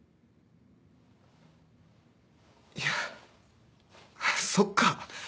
いやあっそっか。